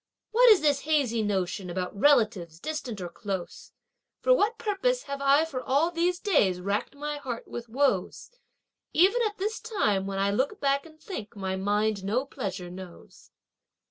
What is this hazy notion about relatives distant or close? For what purpose have I for all these days racked my heart with woes? Even at this time when I look back and think, my mind no pleasure knows.